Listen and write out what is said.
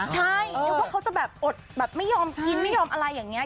ใช่นึกว่าเขาจะแบบอดแบบไม่ยอมกินไม่ยอมอะไรอย่างนี้